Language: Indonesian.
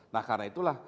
nah karena itulah